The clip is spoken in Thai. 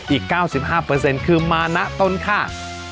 อีกเก้าสิบห้าเปอร์เซ็นต์คือมานะตนค่ะ